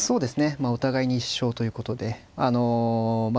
お互いに１勝ということであのまあ